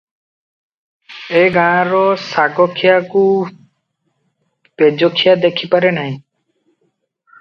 ଏ ଗାଁର ଶାଗଖିଆକୁ ପେଜଖିଆ ଦେଖିପାରେ ନାହିଁ ।